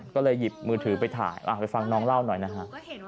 ก็เลยหยิบมือถือไปถ่ายไปฟังน้องเล่าหน่อยนะฮะ